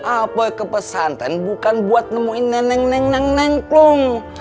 apa kepesantren bukan buat nemuin neneng neng neng klong